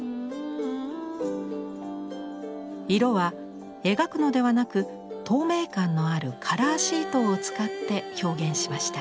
色は描くのではなく透明感のあるカラーシートを使って表現しました。